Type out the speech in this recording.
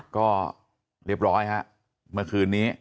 ก็เรียบร้อยฮะเมื่อคืนนี้